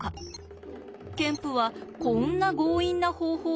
ケンプはこんな強引な方法を試します。